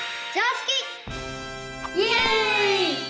イエイ！